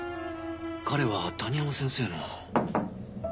彼は谷浜先生の。